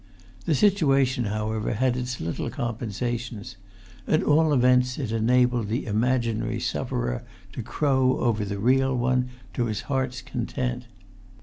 The situation, however, had its little compensations: at all events it enabled the imaginary sufferer to crow over the real one to his heart's content.